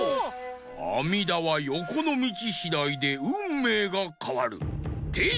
あみだはよこのみちしだいでうんめいがかわる！てい！